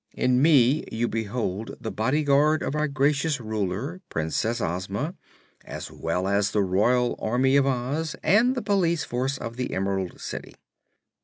in me you behold the Body Guard of our gracious Ruler, Princess Ozma, as well as the Royal Army of Oz and the Police Force of the Emerald City."